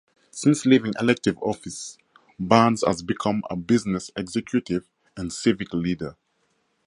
Since leaving elective office, Barnes has become a business executive and civic leader.